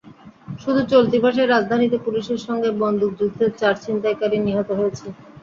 শুধু চলতি মাসেই রাজধানীতে পুলিশের সঙ্গে বন্দুকযুদ্ধে চার ছিনতাইকারী নিহত হয়েছে।